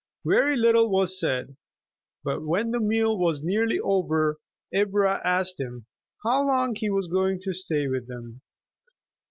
Very little was said, but when the meal was nearly over Ivra asked him how long he was going to stay with them.